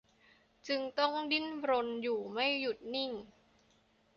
จึงต้องดิ้นรนอยู่ไม่หยุดนิ่ง